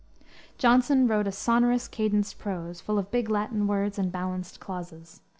Johnson wrote a sonorous, cadenced prose, full of big Latin words and balanced clauses.